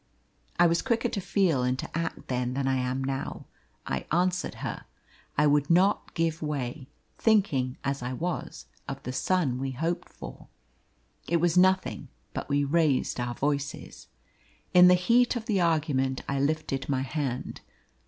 I was quicker to feel and to act then than I am now. I answered her. I would not give way, thinking, as I was, of the son we hoped for. It was nothing, but we raised our voices. In the heat of the argument I lifted my hand.